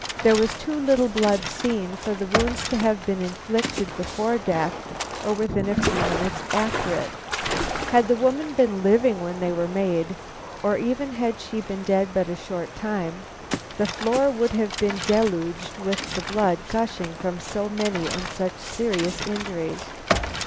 There was too little blood seen, for the wounds to have been inflicted before death or within a few minutes after it. Had the woman been living when they were made, or even had she been but a short time dead, the floor would have been deluged with the blood gushing from so many and such serious injuries.